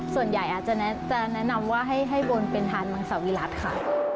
ส่วนใหญ่อาจจะแนะนำว่าให้บนเป็นทานมังสวิรัติค่ะ